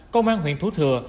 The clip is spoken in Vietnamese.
công an huyện thủ thừa